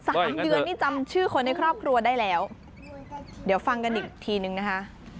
สามเดือนนี่จำชื่อคนในครอบครัวได้แล้วเดี๋ยวฟังกันอีกทีนึงนะคะ